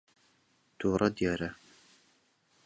تووڕە دیارە.